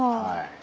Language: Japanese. はい。